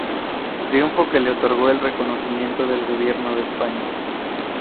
Triunfo que le otorgó el reconocimiento del Gobierno de España.